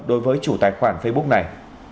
đối với chủ tài khoản facebook này